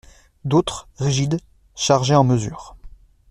D'autres, rigides, chargeaient en mesure.